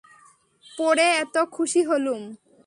পড়ে এত খুশি হলুম।